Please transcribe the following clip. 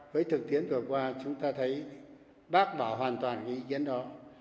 với thực tiến vừa qua chúng ta thấy bác bảo hoàn toàn ý kiến đó